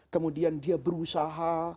kemudian dia berusaha